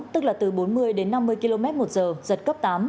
tức là từ bốn mươi đến năm mươi km một giờ giật cấp tám